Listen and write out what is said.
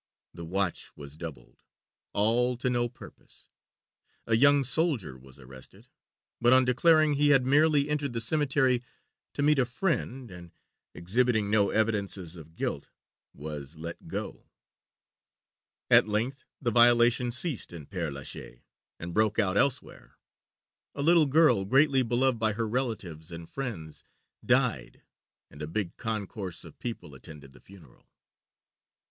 The watch was doubled; all to no purpose. A young soldier was arrested, but on declaring he had merely entered the cemetery to meet a friend, and exhibiting no evidences of guilt, was let go. At length the violation ceased in Père Lachaise and broke out elsewhere. A little girl, greatly beloved by her relatives and friends, died, and a big concourse of people attended the funeral.